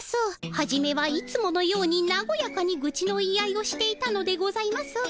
はじめはいつものようになごやかにぐちの言い合いをしていたのでございますが。